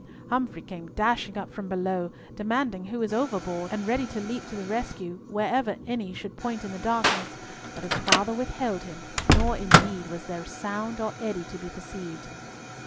Humfrey came dashing up from below, demanding who was overboard, and ready to leap to the rescue wherever any should point in the darkness, but his father withheld him, nor, indeed, was there sound or eddy to be perceived.